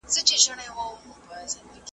د ایوب تر لوند ګرېوانه .